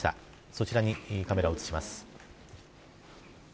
そちらにカメラを移します。